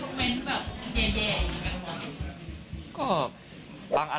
แต่บางอันเราก็เข้าไปคอมเมนต์แบบเย่อย่างนั้น